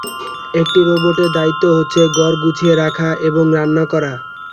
একটি রোবটের দায়িত্ব হচ্ছে ঘর গুছিয়ে রাখা এবং রান্না করা।